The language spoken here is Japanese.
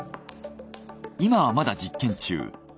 今はまだ実験中。